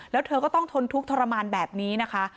แล้วเธอก็ต้องทนทุกข์ทรมานแบบนี้นะคะ